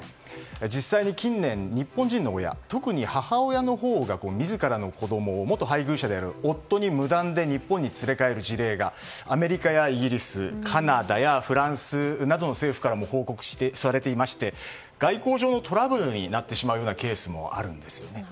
実際に近年日本人の親、特に母親のほうが自らの子供を元配偶者である夫に無断で日本に連れ帰る事例がアメリカやイギリスカナダやフランスなどの政府からも報告されていまして外交上のトラブルになってしまうようなケースもあるんです。